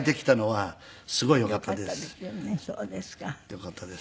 よかったです。